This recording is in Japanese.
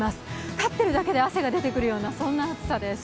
立ってるだけで汗が出てくるような暑さです。